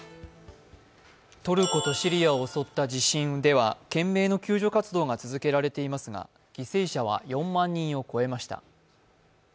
トルコとシリアを襲った地震では懸命の救命活動が続けられていますが犠牲者は４万人を超えました。